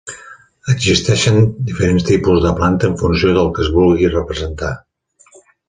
Existeixen diferents tipus de planta en funció del que es vulgui representar.